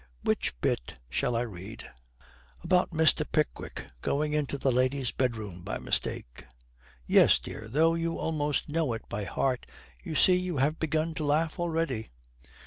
'Which bit shall I read?' 'About Mr. Pickwick going into the lady's bedroom by mistake.' 'Yes, dear, though you almost know it by heart. You see, you have begun to laugh already.'